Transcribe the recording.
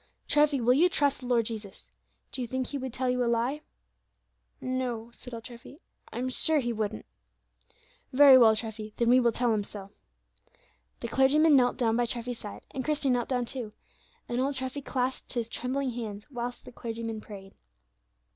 Treffy, will you trust the Lord Jesus? Do you think He would tell you a lie?" "No," said old Treffy; "I'm sure He wouldn't." "Very well, Treffy, then we will tell Him so." The clergyman knelt down by Treffy's side, and Christie knelt down too, and old Treffy clasped his trembling hands whilst the clergyman prayed.